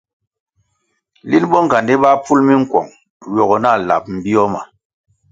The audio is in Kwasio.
Lin bonğandi báh pful minkuong ywogo nah lab bio ma.